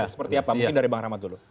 seperti apa mungkin dari bang rahmat dulu